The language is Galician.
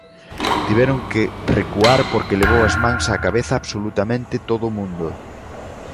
Tiveron que recuar porque levou as mans á cabeza absolutamente todo o mundo.